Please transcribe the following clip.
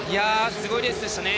すごいレースでしたね。